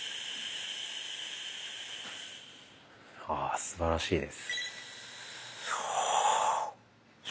ああすばらしいです。